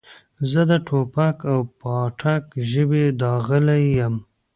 زه د ټوپک او پاټک ژبې داغلی یم.